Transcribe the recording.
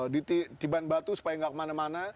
diban batu supaya tidak kemana mana